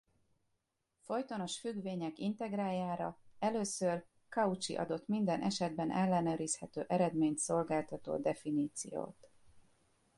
Folytonos függvények integráljára először Cauchy adott minden esetben ellenőrizhető eredményt szolgáltató definíciót.